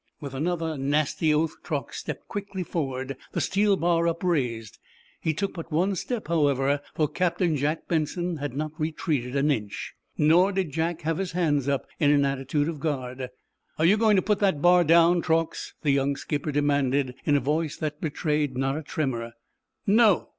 With another nasty oath Truax stepped quickly forward, the steel bar upraised. He took but one step, however, for Captain Jack Benson had not retreated an inch. Nor did Jack have his hands up in an attitude of guard. "Are you going to put that bar down, Truax?" the young skipper demanded, in a voice that betrayed not a tremor. "No."